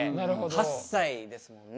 ８歳ですもんね。